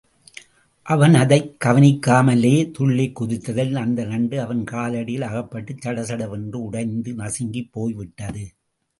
அவன் அதைக் கவனிக்காமலே துள்ளிக் குதித்ததில் அந்த நண்டு அவன் காலடியில் அகப்பட்டுச் சடசடவென்று உடைந்து நசுங்கிப் போய்விட்டது.